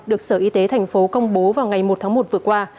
được sở y tế thành phố công bố vào ngày một tháng một vừa qua